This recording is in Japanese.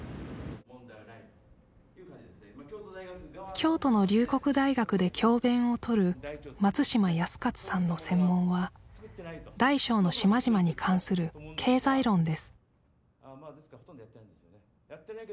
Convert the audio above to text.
京都の龍谷大学で教べんをとる松島泰勝さんの専門は大小の島々に関する経済論です